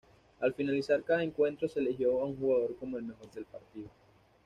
Al finalizar cada encuentro se eligió a un jugador como el mejor del partido.